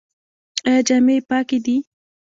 ایا جامې یې پاکې دي؟